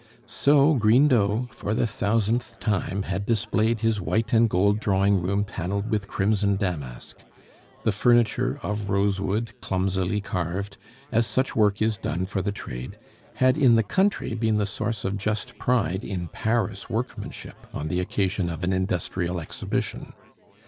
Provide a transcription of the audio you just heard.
So Grindot, for the thousandth time had displayed his white and gold drawing room paneled with crimson damask. The furniture, of rosewood, clumsily carved, as such work is done for the trade, had in the country been the source of just pride in Paris workmanship on the occasion of an industrial exhibition.